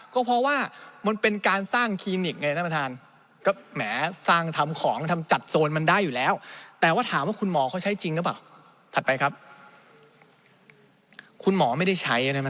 เขาอยากจะเสพเรื่องของเขาแล้วนะครับ